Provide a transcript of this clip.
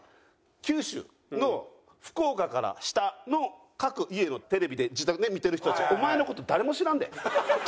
九州の福岡から下の各家のテレビで自宅で見てる人たちお前の事誰も知らんで。